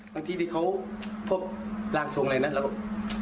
บางทีที่เขาพบลากทรงอะไรนะแล้วบอก